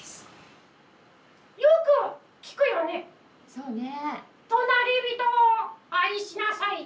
そうね。